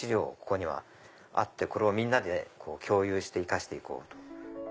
ここにはあってこれをみんなで共有して生かして行こうと。